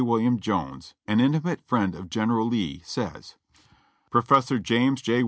William Jones, an intimate friend of General Lee, says : "Prof. James J.